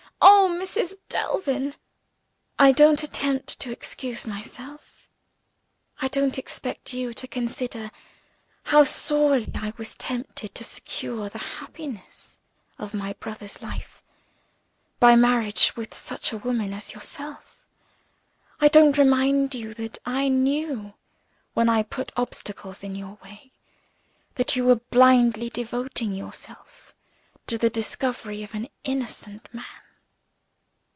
"Oh, Mrs. Delvin!" "I don't attempt to excuse myself. I don't expect you to consider how sorely I was tempted to secure the happiness of my brother's life, by marriage with such a woman as yourself. I don't remind you that I knew when I put obstacles in your way that you were blindly devoting yourself to the discovery of an innocent man."